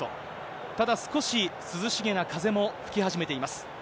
ただ、少し涼しげな風も吹き始めています。